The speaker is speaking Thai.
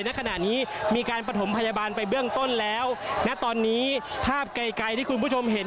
ณขณะนี้มีการประถมพยาบาลไปเบื้องต้นแล้วณตอนนี้ภาพไกลไกลที่คุณผู้ชมเห็น